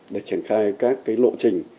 để triển khai các lộ trình